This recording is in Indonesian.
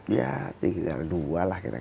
ya tinggal dua lah kira kira